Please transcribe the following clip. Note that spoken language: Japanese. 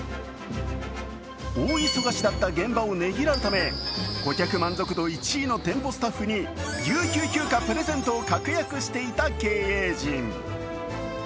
大忙しだった現場をねぎらうため顧客満足度１位のスタッフに有給休暇プレゼントを確約していた経営陣。